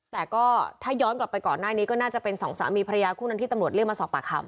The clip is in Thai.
แต่ก็ถ้าย้อนกลับไปก่อนหน้านี้ก็น่าจะเป็นสองสามีภรรยาคู่นั้นที่ตำรวจเรียกมาสอบปากคำ